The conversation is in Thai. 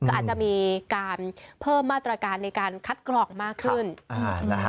ก็อาจจะมีการเพิ่มมาตรการในการคัดกรองมากขึ้น